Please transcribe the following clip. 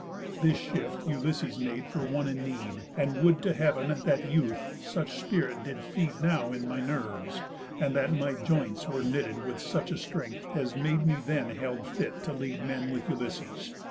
This shift Ulysses made for one in need, And would to heav'n, that youth such spirit did feed Now in my nerves, and that my joints were knit With such a strength as made me then held fit To lead men with Ulysses!